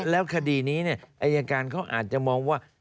แล้วคดีนี้เนี่ยอาจารย์การเขาอาจจะมองว่า